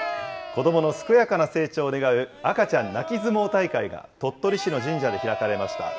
子どもの健やかな成長を願う赤ちゃん泣き相撲大会が、鳥取市の神社で開かれました。